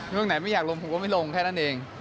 เรื่องไหนไม่อยากลงผมก็ไม่ลงแค่นั้นเอง